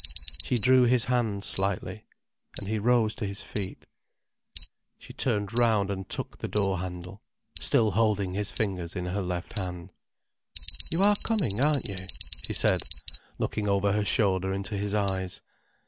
She drew his hand slightly. And he rose to his feet. She turned round and took the door handle, still holding his fingers in her left hand. "You are coming, aren't you?" she said, looking over her shoulder into his eyes.